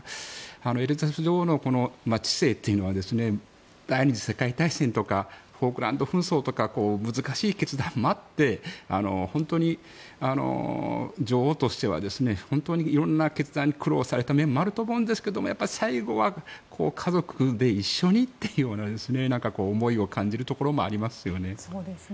エリザベス女王の治世というのは第２次世界大戦とかフォークランド紛争とか難しい決断もあって本当に女王としては本当に色んな決断に苦労された面もあると思うんですがやっぱり最後は家族で一緒にというような思いを感じるところもありますよね。